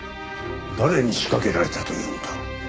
誰に仕掛けられたというんだ？